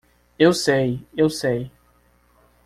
Eu sei, eu sei.